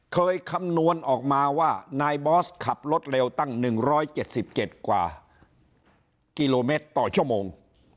คำนวณออกมาว่านายบอสขับรถเร็วตั้ง๑๗๗กว่ากิโลเมตรต่อชั่วโมง